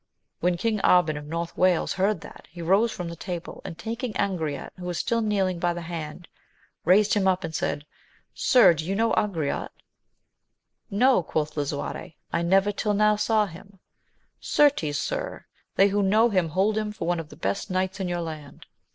When King Arban of North Wales heard that, he rose from table ; and taking Angriote, who was still kneeling, by the hand, raised him up and said. Sir, do you know Angriote? No, quoth Lisuarte: I never till now saw him. — Certes, sir, they who know him hold him^ for one of the best knights in your land.